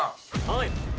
はい。